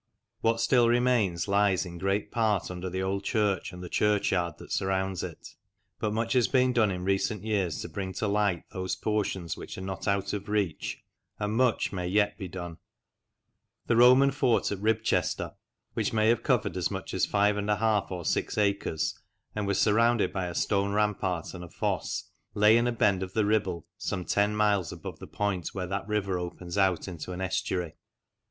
What still remains lies in great part under the old church and the churchyard that surrounds it; but much has been done in recent years to bring to light those portions which are not out of reach, and much may yet be done. BRONZE FLAGON AND SAMIAN BOWL FOUND IN MANCHESTER, THE ROMANS IN LANCASHIRE 45 The Roman fort at Ribchester, which may have covered as much as five and a half or six acres, and was surrounded by a stone rampart and a fosse, lay in a bend of the Ribble some ten miles above the point where that river opens out into an estuary.